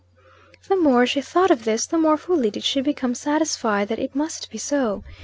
The more she thought of this, the more fully did she become satisfied that it must be so.